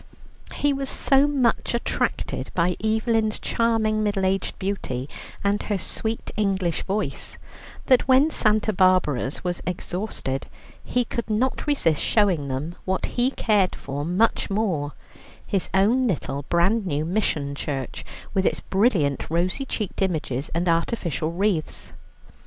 He was so much attracted by Evelyn's charming middle aged beauty and her sweet English voice that when Santa Barbara's was exhausted, he could not resist showing them, what he cared for much more, his own little brand new mission church, with its brilliant rosy cheeked images and artificial wreaths.